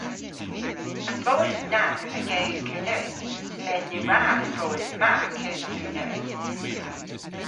An vowes na a gews Kernewek mes ny wra an vowes ma kewsel Kernewek.